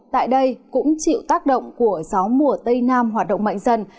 tại đây cũng chịu tác động của gió mùa tây nam hoạt động mạnh dần